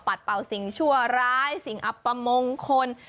เป่าสิ่งชั่วร้ายสิ่งอัปมงคล